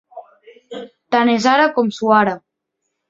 Tant és ara com suara.